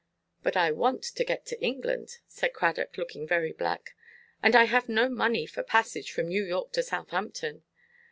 "But I want to get to England," said Cradock, looking very black; "and I have no money for passage from New York to Southampton."